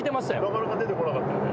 なかなか出てこなかったよね。